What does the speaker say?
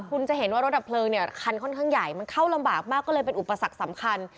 คุณจะเห็นว่ารถดับเพลิงเนี่ยคันค่อนข้างใหญ่มันเข้าลำบากมากก็เลยเป็นอุปสรรคสำคัญ